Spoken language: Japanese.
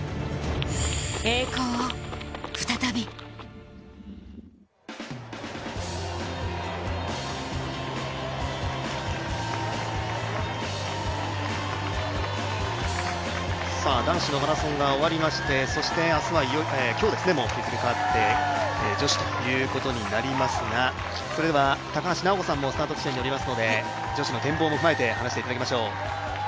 栄光を再び男子のマラソンが終わりましてそして日付変わって今日、女子ということになりますがそれでは、高橋尚子さんもスタート地点におりますので女子の展望も踏まえて話していただきましょう。